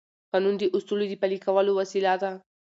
قانون د اصولو د پلي کولو وسیله ده.